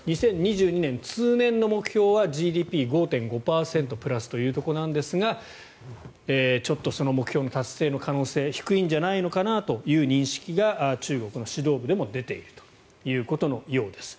２０２２年、通年の目標はＧＤＰ５．５％プラスというところなんですがちょっとその目標達成の可能性低いんじゃないのかなという認識が中国の指導部でも出ているということのようです。